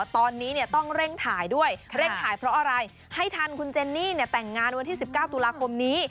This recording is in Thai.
ตอนนี้ต้องเร่งถ่ายด้วยเร่งถ่ายเพราะอะไรให้ทันคุณเจนนี่แต่งงานวันที่๑๙ตุลาคมนี้